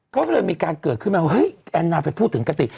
เพราะมันเลยมีการเกิดขึ้นมาว่าแอนนาเป็นผู้ถึงกติ